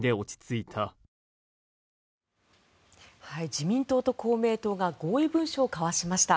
自民党と公明党が合意文書を交わしました。